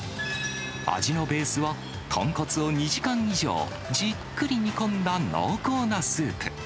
味のベースは、豚骨を２時間以上、じっくり煮込んだ濃厚なスープ。